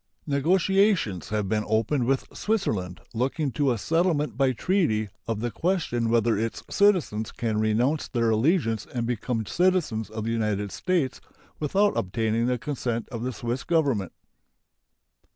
Negotiations have been opened with Switzerland looking to a settlement by treaty of the question whether its citizens can renounce their allegiance and become citizens of the United States without obtaining the consent of the Swiss Government.